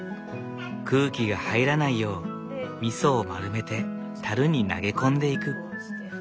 空気が入らないよう味噌を丸めてたるに投げ込んでいく。